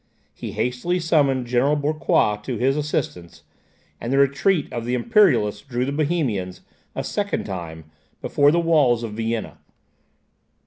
He hastily summoned General Bucquoi to his assistance, and the retreat of the Imperialists drew the Bohemians, a second time, before the walls of Vienna.